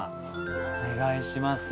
お願いします。